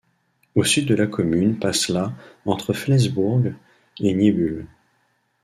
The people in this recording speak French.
Au sud de la commune passe la entre Flensbourg et Niebüll.